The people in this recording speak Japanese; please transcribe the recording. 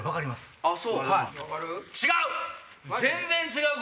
違う！